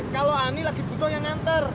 kalau ani lagi butuhnya nganter